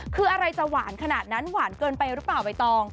คืออะไรจะหวานขนาดนั้นหวานเกินไปหรือเปล่าใบตอง